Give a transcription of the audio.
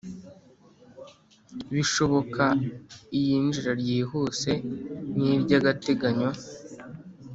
Bishoboka iyinjira ryihuse n iry agateganyo